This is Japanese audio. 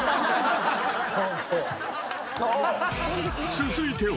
［続いては］